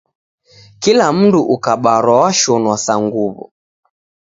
Kila mndu ukabarwa washonwa sa nguw'o!